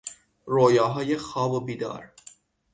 رویاهای خواب و بیدار